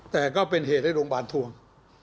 แต่ก็เป็นเหตุให้โรงพยาบาลทวง